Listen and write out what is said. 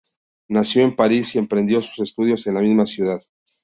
Nació en París y emprendió sus estudios en la misma ciudad.